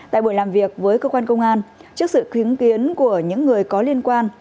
tại buổi làm việc với cơ quan công an trước sự chứng kiến của những người có liên quan